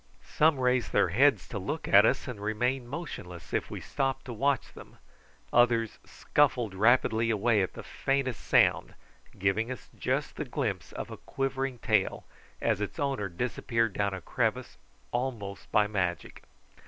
Some raised their heads to look at us, and remained motionless if we stopped to watch them, others scuffled rapidly away at the faintest sound, giving us just a glimpse of a quivering tail as its owner disappeared down a crevice almost by magic.